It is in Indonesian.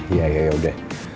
ya ya yaudah